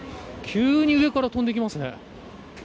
急に上から飛んできますね。